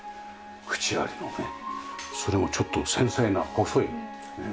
縁ありのねそれもちょっと繊細な細い。